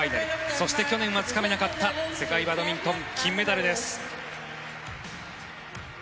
そして去年はつかめなかった世界バドミントン金メダルです。